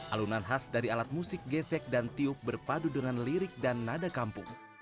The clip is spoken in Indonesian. alunan khas dari alat musik gesek dan tiup berpadu dengan lirik dan nada kampung